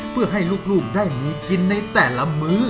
เพื่อให้ลูกได้มีกินในแต่ละมื้อ